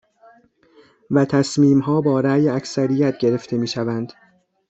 و تصمیمها با رأی اکثریت گرفته میشوند.